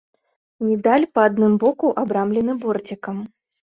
Медаль па адным боку абрамлены борцікам.